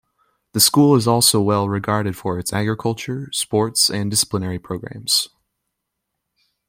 The school is also well regarded for its agriculture, sports and disciplinary programmes.